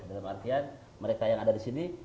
dalam artian mereka yang ada disini